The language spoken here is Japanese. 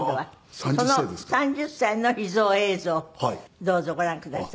その３０歳の秘蔵映像どうぞご覧ください。